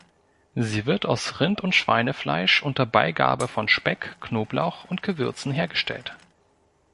Sie wird aus Rind- und Schweinefleisch unter Beigabe von Speck, Knoblauch und Gewürzen hergestellt.